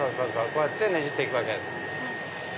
こうやってねじって行くわけです。